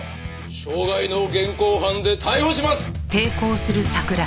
傷害の現行犯で逮捕します！